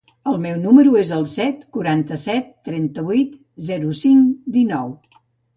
El meu número es el set, quaranta-set, trenta-vuit, zero, cinc, dinou.